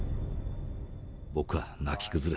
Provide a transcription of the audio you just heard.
僕は泣き崩れた。